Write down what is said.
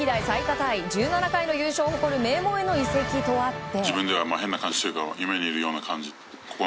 タイ１７回の優勝を誇る名門への移籍とあって。